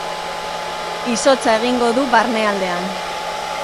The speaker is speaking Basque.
Izotza egingo du barnealdean.